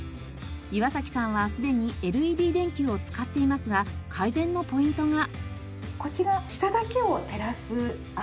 岩崎さんはすでにＬＥＤ電球を使っていますが改善のポイントが。